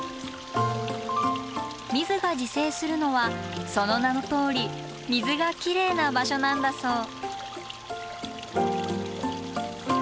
ミズが自生するのはその名のとおり水がきれいな場所なんだそう。